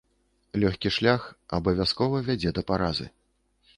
Лёгкі шлях абавязкова вядзе да паразы.